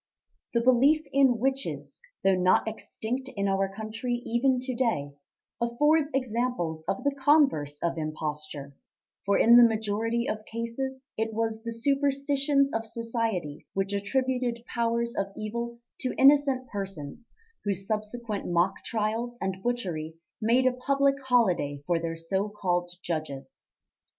The belief in witches, though not extinct in our country even to day, affords examples of the converse of imposture, for in the majority of cases it was the superstitions of society which attributed powers of evil to innocent persons whose subsequent mock trials and butchery made a public holiday for their so called judges.